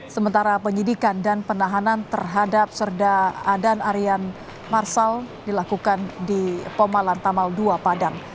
sementara penyidikan dan penahanan terhadap serda adan arian marsal dilakukan di poma lantamal dua padang